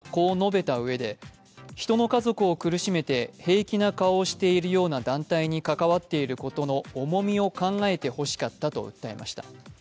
元信者の女性はこう述べたうえで、人の家族を苦しめて平気な顔をしているような団体に関わっていることの重みを考えてほしかったと訴えました。